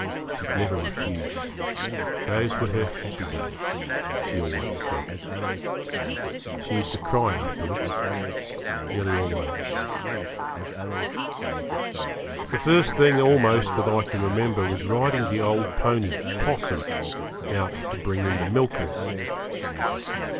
She'd never refuse; those were her happy days, she always said. She used to cry afterwards nearly always. The first thing almost that I can remember was riding the old pony, 'Possum, out to bring in the milkers.